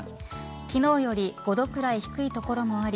昨日より５度くらい低い所もあり